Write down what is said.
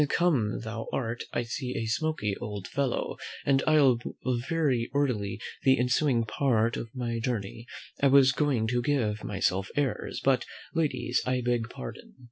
Come, thou art, I see, a smoky old fellow, and I'll be very orderly the ensuing part of my journey. I was going to give myself airs, but, ladies, I beg pardon."